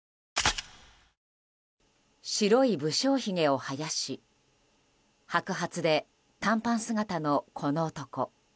白い無精ひげを生やし白髪で短パン姿のこの男。